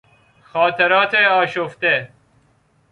خاطرات آشفته